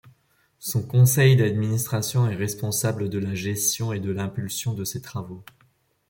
Son conseil d'administration est responsable de la gestion et de l’impulsion de ses travaux.